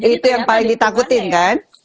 itu yang paling ditakutin kan